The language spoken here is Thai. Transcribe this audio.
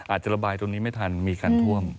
อาจจะระบายตรงนี้ไม่ทันมีการท่วม